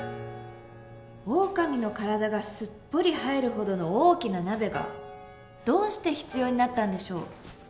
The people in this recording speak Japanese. オオカミの体がすっぽり入るほどの大きな鍋がどうして必要になったんでしょう？